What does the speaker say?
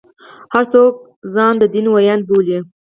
هر څوک ځان د دین ویاند بولي.